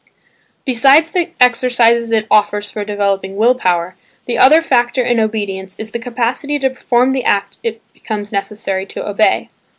Besides the exercises it offers for developing will power, the other factor in obedience is the capacity to perform the act it becomes necessary to obey.